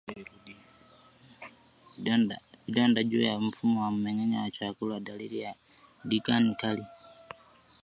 Vidonda juu ya mfumo wa mmengenyo wa chakula ni dalili ya ndigana kali